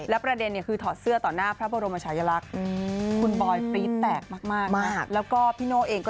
และประเด็นคือถอดเสื้อตอนหน้าพระบรมชายลักษณ์